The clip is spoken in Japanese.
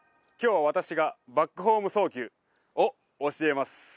今日は私がバックホーム送球を教えます。